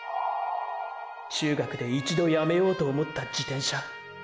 中学で一度やめようと思った自転車。